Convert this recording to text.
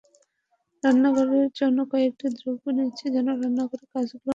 রান্নাঘরের জন্য কয়েকটি দ্রব্য দিচ্ছি, যেন রান্নাঘরের কাজগুলো নারীদের জন্য সহজ হয়।